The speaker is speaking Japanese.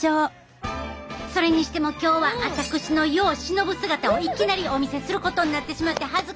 それにしても今日はあたくしの世を忍ぶ姿をいきなりお見せすることになってしまって恥ずかしかったわ。